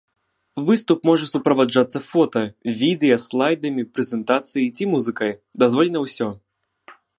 Выступ можа суправаджацца фота, відэа, слайдамі прэзентацыі ці музыкай, дазволена ўсё.